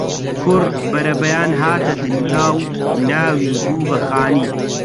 کوڕ بەرەبەیان هاتە دنیا و ناوی بوو بە خانی